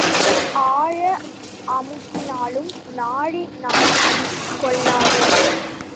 ஆழ அமுக்கினாலும் நாழி நானாழி கொள்ளாது.